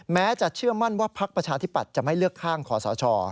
แม้จะเชื่อมั่นว่าพักประชาธิปัตย์จะไม่เลือกข้างขอสช